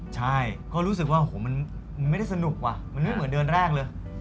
ใช่ก็รู้สึกว่าโอ้โหมันไม่ได้สนุกว่ะมันไม่เหมือนเดือนแรกเลย